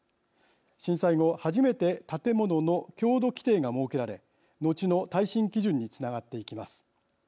震災後、初めて建物の強度規定が設けられ後の耐震基準につながっていきます。